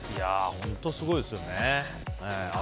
本当、すごいですね。